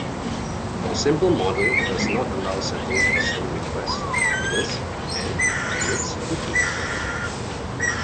The "simple" model does not allow setting custom request headers and omits cookies.